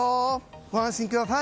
ご安心ください。